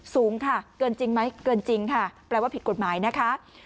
สูงค่ะเกินจริงไหมเกินจริงค่ะแปลว่าผิดกฎหมายนะคะ